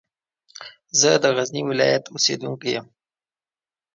زه د غزني ولایت اوسېدونکی یم.